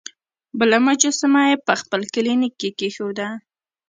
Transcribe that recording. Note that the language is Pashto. بله مجسمه یې په خپل کلینیک کې کیښوده.